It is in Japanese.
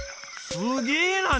すげえな！